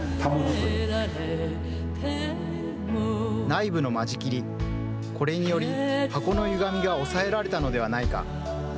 内部の間仕切り、これにより、箱のゆがみが抑えられたのではないか。